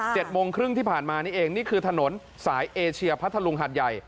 โมงครึ่งที่ผ่านมานี่เองนี่คือถนนสายเอเชียพัทธลุงหัดใหญ่